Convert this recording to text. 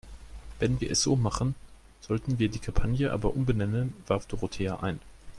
Wenn wir es so machen, sollten wir die Kampagne aber umbenennen, warf Dorothea ein.